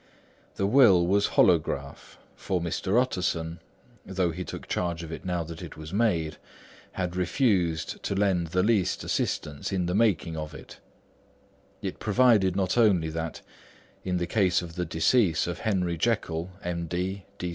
The will was holograph, for Mr. Utterson though he took charge of it now that it was made, had refused to lend the least assistance in the making of it; it provided not only that, in case of the decease of Henry Jekyll, M.D.